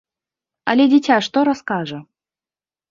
Але дзіця што раскажа?